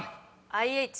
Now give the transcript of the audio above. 「ＩＨ」？